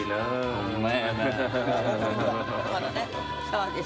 ホンマやな。